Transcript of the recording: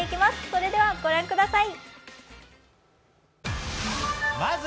それではご覧ください。